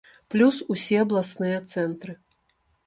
Плюс усе абласныя цэнтры.